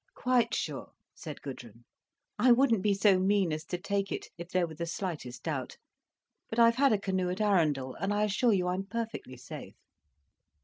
"Quite sure," said Gudrun. "I wouldn't be so mean as to take it, if there was the slightest doubt. But I've had a canoe at Arundel, and I assure you I'm perfectly safe."